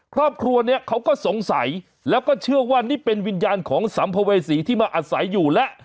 ครอบครัวนี้เขาก็สงสัยแล้วก็เชื่อว่านี่เป็นวิญญาณของสัมภเวษีที่มาอาศัยอยู่แล้ว